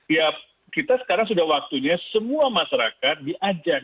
ya kita sekarang sudah waktunya semua masyarakat diajak